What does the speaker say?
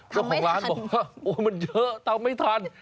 เจ้าของร้านบอกว่าโอ้มันเยอะทำไม่ทัน